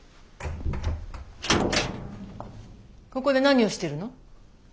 ここで何をしてるの？